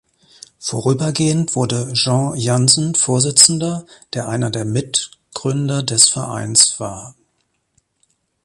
Vorübergehend wurde Jean Jansen Vorsitzender, der einer der Mitgründer des Vereins war.